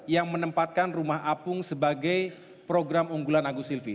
yang menempatkan rumah apung sebagai program unggulan agus silvi